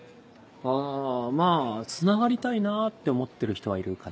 あぁまぁつながりたいなって思ってる人はいるかな。